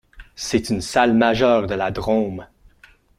C'est une salle majeure de la Drôme.